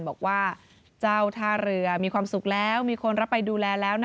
บอกว่าเจ้าท่าเรือมีความสุขแล้วมีคนรับไปดูแลแล้ว